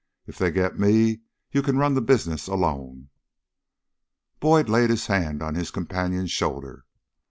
If they get me, you can run the business alone." Boyd laid his hand on his companion's shoulder.